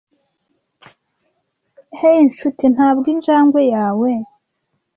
Hey Nshuti, ntabwo injangwe yawe?